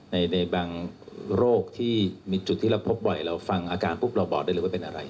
ในบางโรคที่มีจุดที่เราพบบ่อยเราฟังอาการปุ๊บเราบอกได้เลยว่าเป็นอะไร